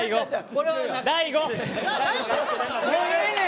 大悟。